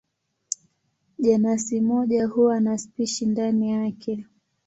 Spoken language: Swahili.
Jenasi moja huwa na spishi ndani yake.